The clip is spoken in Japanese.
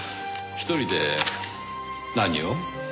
一人で何を？